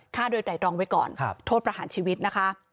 ฆ่าโดยไตรรองไว้ก่อนโทษประหารชีวิตนะคะ